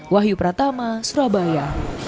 wahyu pratama surabaya